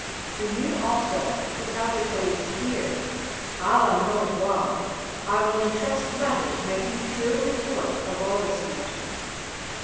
To you also who have the Caliph's ear, Allah knows why, I will entrust letters making true report of all this matter.